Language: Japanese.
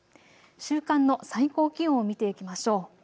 週間の最高気温を見ていきましょう。